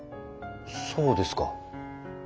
そうですか。